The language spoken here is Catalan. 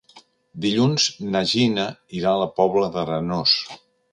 Dilluns na Gina irà a la Pobla d'Arenós.